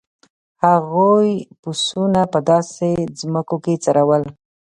هغوی پسونه په داسې ځمکو کې څرول.